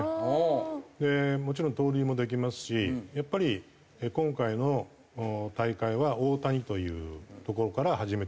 もちろん盗塁もできますしやっぱり今回の大会は大谷というところから始めたい。